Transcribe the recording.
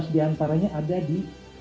lima belas diantaranya ada di